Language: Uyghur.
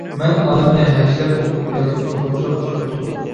مەن ئالەمنى ھەجىلەپ ئوقۇپ كەلدىم ئۇيغۇرچە قوشاق توقۇپ.